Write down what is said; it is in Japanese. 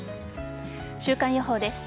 週間予報です。